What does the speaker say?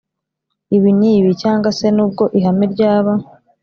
ibi n ibi cyangwa se n ubwo Ihame ryaba